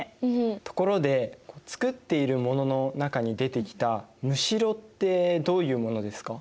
ところで作っているものの中に出てきたむしろってどういうものですか？